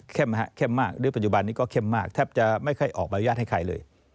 เข้มมากหรือปัจจุบันนี้ก็เข้มมากแทบจะไม่ค่อยออกใบอนุญาตให้ใครเลย